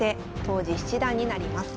当時七段になります。